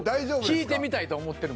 引いてみたいと思ってるもん。